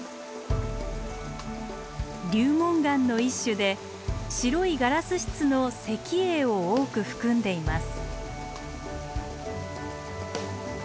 流紋岩の一種で白いガラス質の石英を多く含んでいます。